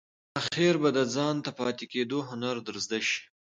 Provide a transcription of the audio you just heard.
آخیر به د ځانته پاتې کېدو هنر در زده شي !